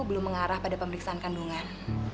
belum mengarah pada pemeriksaan kandungan